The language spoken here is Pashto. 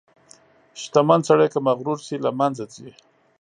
• شتمن سړی که مغرور شي، له منځه ځي.